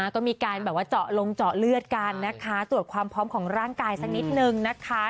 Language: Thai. ก็มีการแบบว่าเจาะลงเจาะเลือดกันนะคะตรวจความพร้อมของร่างกายสักนิดนึงนะคะ